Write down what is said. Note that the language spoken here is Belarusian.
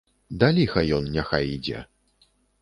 Да ліха ён няхай ідзе.